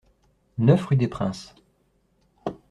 neuf rue Des Princes